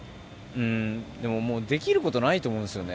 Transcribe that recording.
でも、もうできることないと思うんですよね。